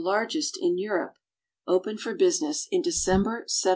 largest in Europe, opened for business in December, 1770.